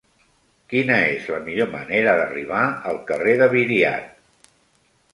Quina és la millor manera d'arribar al carrer de Viriat?